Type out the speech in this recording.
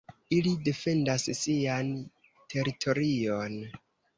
Ili defendas sian teritorion.